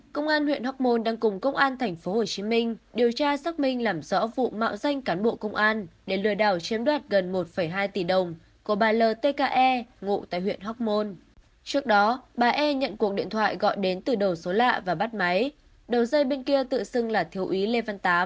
các bạn hãy đăng ký kênh để ủng hộ kênh của chúng mình nhé